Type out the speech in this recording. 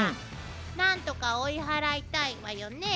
何とか追い払いたいわよね。